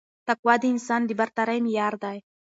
تقوا د انسان د برترۍ معیار دی